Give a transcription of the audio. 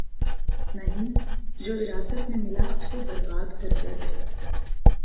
نہیں‘ جو وراثت میں ملا اسے بربادکرتے گئے۔